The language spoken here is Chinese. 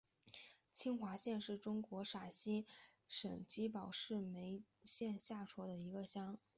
青化乡是中国陕西省宝鸡市眉县下辖的一个乡。